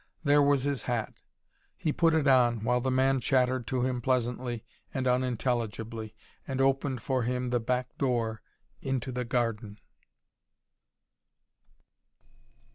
There was his hat; he put it on, while the man chattered to him pleasantly and unintelligibly, and opened for him the back door, into the garden.